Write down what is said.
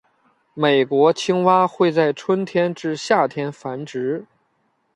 美国青蛙会在春天至夏天繁殖。